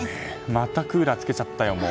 またクーラーつけちゃったよ。